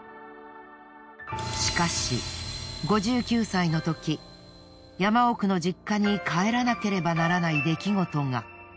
しかし５９歳の時山奥の実家に帰らなければならない出来事が。